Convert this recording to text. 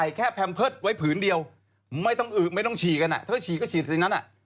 ใช้แคมเฟิร์ดไว้ผืนเดียวไม่ต้องฉี่กันทั้งเท่านั้น